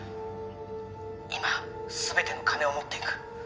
今全ての金を持っていく